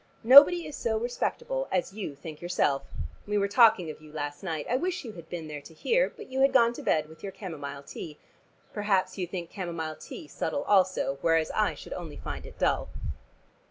Nobody is so respectable as you think yourself. We were talking of you last night: I wish you had been there to hear; but you had gone to bed with your camomile tea. Perhaps you think camomile tea subtle also, whereas I should only find it dull."